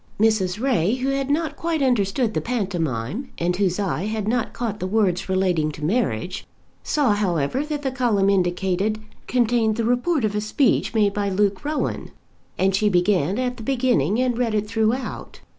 Mrs. Ray, who had not quite understood the pantomime, and whose eye had not caught the words relating to marriage, saw however that the column indicated contained the report of a speech made by Luke Rowan, and she began it at the beginning and read it throughout.